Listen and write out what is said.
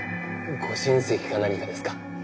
ご親戚か何かですか？